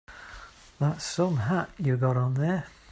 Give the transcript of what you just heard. That's some hat you got on there.